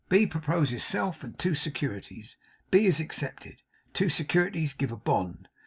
B proposes self and two securities. B is accepted. Two securities give a bond.